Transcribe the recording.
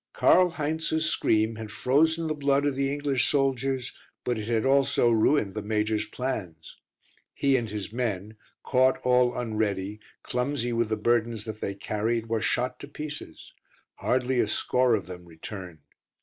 Karl Heinz's scream had frozen the blood of the English soldiers, but it had also ruined the major's plans. He and his men, caught all unready, clumsy with the burdens that they carried, were shot to pieces; hardly a score of them returned.